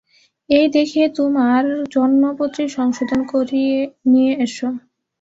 এই দেখিয়ে তোমার জন্মপত্রী সংশোধন করিয়ে নিয়ে এসো।